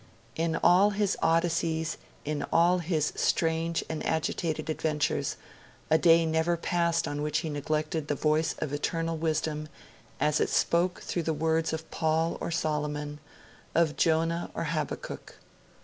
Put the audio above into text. In all his Odysseys, in all his strange and agitated adventures, a day never passed on which he neglected the voice of eternal wisdom as it spoke through the words of Paul or Solomon, of Jonah or Habakkuk.